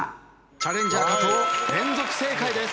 チャレンジャー加藤連続正解です。